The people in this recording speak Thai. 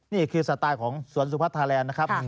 นี่คือสไตล์ของสวนสุพัทธาแลนด์นะครับ